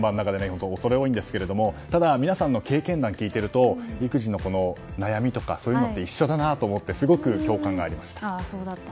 本当に恐れ多いんですが皆さんの経験談を聞いていると育児の悩みとかって一緒だなと思ってすごく共感がありました。